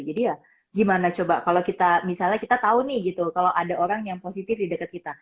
jadi ya gimana coba kalau kita misalnya kita tahu nih gitu kalau ada orang yang positif di dekat kita